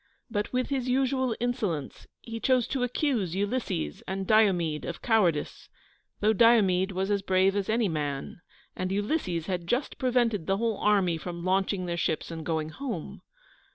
But with his usual insolence he chose to accuse Ulysses and Diomede of cowardice, though Diomede was as brave as any man, and Ulysses had just prevented the whole army from launching their ships and going home.